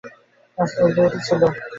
রাস্তায় ডিউটি ছিল।